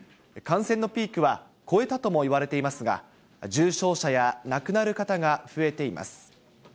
感染のピークは越えたともいわれていますが、重症者や亡くなる方が増えています。